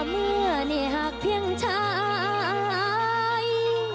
มีเพียงอาย